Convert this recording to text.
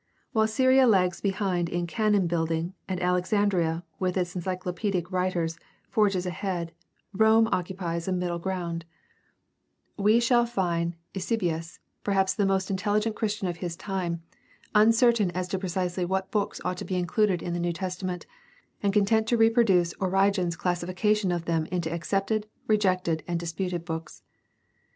While Syria lags behind in canon building and Alexandria, with its encyclopedic writers, forges ahead, Rome occupies a middle ground. We THE STUDY OF THE NEW TESTAMENT 227 shall find Eusebius, perhaps the most intelligent Christian of his time, uncertain as to precisely what books ought to be included in the New Testament and content to reproduce Origen's classification of them into accepted, rejected, and disputed books.